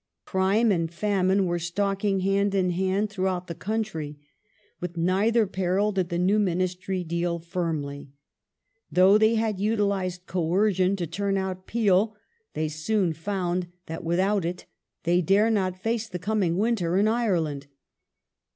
Crime and famine were stalking hand in hand throughout the country. With neither peril did the new Ministry deal firmly. Though they had utilized coercion" to turn out Peel they soon found that without it they dare not face the coming winter in Ireland.